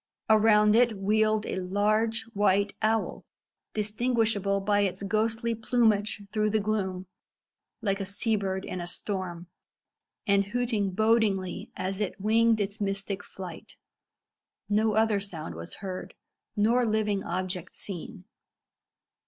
Around it wheeled a large white owl, distinguishable by its ghostly plumage through the gloom, like a sea bird in a storm, and hooting bodingly as it winged its mystic flight. No other sound was heard, nor living object seen.